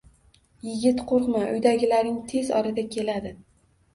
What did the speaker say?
Yigit - Qo'rqma, uydagilaring tez orada keladi!